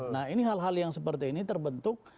nah ini hal hal yang seperti ini terbentuk